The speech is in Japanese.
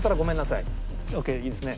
いいですね。